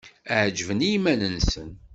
Ɛeǧben i iman-nsen.